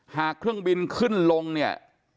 เครื่องบินขึ้นลงเนี่ย